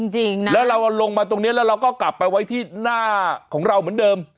จริงแล้วเราลงมาตรงนี้แล้วเราก็กลับไปไว้ที่หน้าของเราเหมือนเดิม